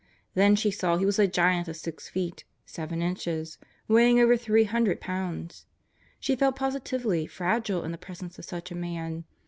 Then she saw he was a giant of six feet, seven inches, weighing over three hundred pounds. She felt positively fragile in the presence of such a man.